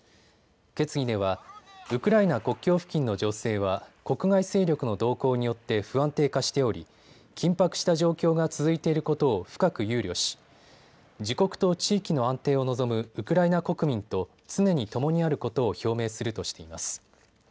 決議ではウクライナ国境付近の情勢は国外勢力の動向によって不安定化しており緊迫した状況が続いていることを深く憂慮し自国と地域の安定を望むウクライナ国民と常にともにあることを表明するとしています。